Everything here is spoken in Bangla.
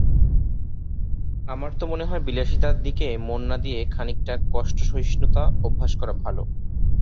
আমার তো মনে হয় বিলাসিতার দিকে মন না দিয়ে খানিকটা কষ্টসহিষ্ণুতা অভ্যাস করা ভালো।